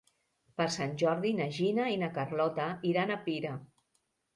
Per Sant Jordi na Gina i na Carlota iran a Pira.